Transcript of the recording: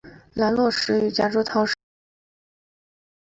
兰屿络石为夹竹桃科络石属下的一个种。